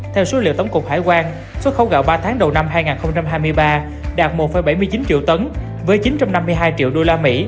theo số liệu tổng cục hải quan xuất khẩu gạo ba tháng đầu năm hai nghìn hai mươi ba đạt một bảy mươi chín triệu tấn với chín trăm năm mươi hai triệu usd